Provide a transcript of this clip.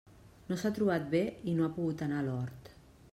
No s'ha trobat bé i no ha pogut anar a l'hort.